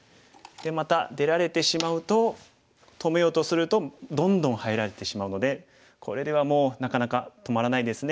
でまた出られてしまうと止めようとするとどんどん入られてしまうのでこれではもうなかなか止まらないですね。